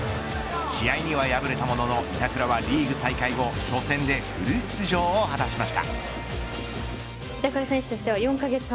試合には敗れたものの板倉はリーグ再開後初戦でフル出場を果たしました。